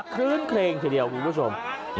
คลื่นเครงทีเดียวคุณผู้ชม